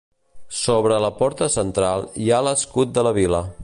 Sobre la porta central hi ha l'escut de la vila.